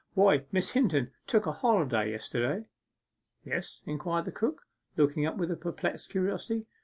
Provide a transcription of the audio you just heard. Why, Miss Hinton took a holiday yesterday.' 'Yes?' inquired the cook, looking up with perplexed curiosity.